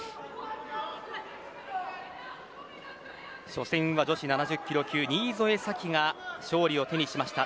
初戦は女子７０キロ級新添左季が勝利を手にしました。